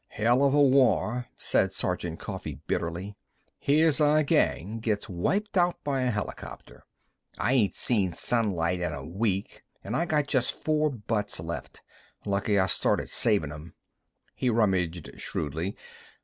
"Hell of a war," said Sergeant Coffee bitterly. "Here our gang gets wiped out by a helicopter. I ain't seen sunlight in a week, an' I got just four butts left. Lucky I started savin' 'em." He rummaged shrewdly.